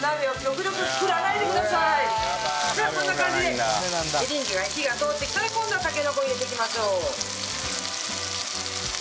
さあこんな感じでエリンギに火が通ってきたら今度はたけのこを入れていきましょう。